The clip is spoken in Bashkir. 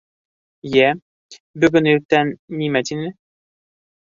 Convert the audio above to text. Йә, бөгөн иртән нимә тине?